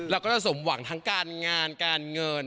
เราก็จะสมหวังทั้งการงานการเงิน